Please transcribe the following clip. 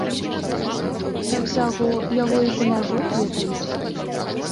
Да ўсяго, яго і за мяжой ведаюць.